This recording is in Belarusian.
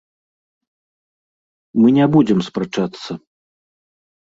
Мы не будзем спрачацца.